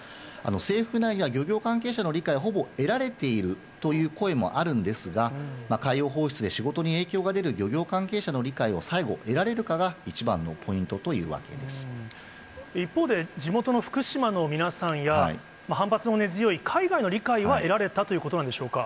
政府内は、漁業関係者の理解をほぼ得られているという声もあるんですが、海洋放出で仕事に影響が出る漁業関係者の理解を最後、得られるか一方で、地元の福島の皆さんや、反発の根強い海外の理解は得られたということなんでしょうか。